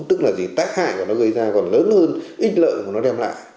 tức là gì tác hại của nó gây ra còn lớn hơn ít lợi của nó đem lại